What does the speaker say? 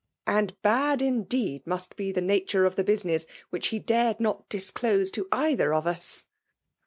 " And bad indeed must be the nature of the business which he dared not disdose to either of us."